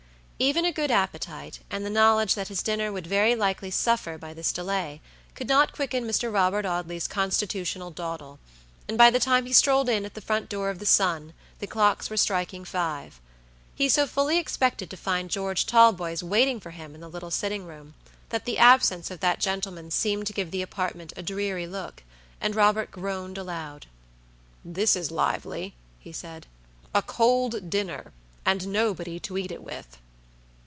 Even a good appetite, and the knowledge that his dinner would very likely suffer by this delay, could not quicken Mr. Robert Audley's constitutional dawdle, and by the time he strolled in at the front door of the Sun, the clocks were striking five. He so fully expected to find George Talboys waiting for him in the little sitting room, that the absence of that gentleman seemed to give the apartment a dreary look, and Robert groaned aloud. "This is lively!" he said. "A cold dinner, and nobody to eat it with!"